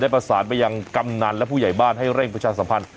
ประสานไปยังกำนันและผู้ใหญ่บ้านให้เร่งประชาสัมพันธ์